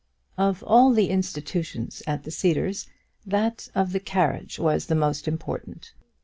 Of all the institutions at the Cedars that of the carriage was the most important.